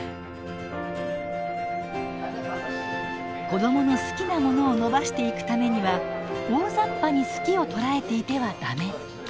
子どもの好きなものを伸ばしていくためには大ざっぱに「好き」を捉えていては駄目。